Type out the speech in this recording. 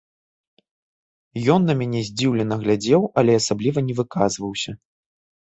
Ён на мяне здзіўлена глядзеў, але асабліва не выказваўся.